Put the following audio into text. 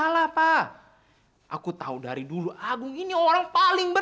lo kira gue boleh pulang